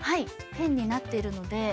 ペンになっているので。